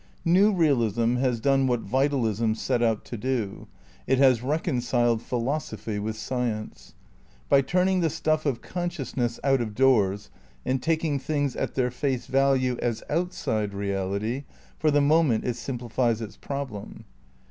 New realism has done what Vitalism set out to do ; it has reconciled philosophy with science. By turning the stuff of con sciousness out of doors and taking things at their face value as outside reality, for the moment it simplifies its problem.